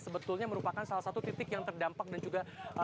sebetulnya merupakan salah satu titik yang terdampak dan juga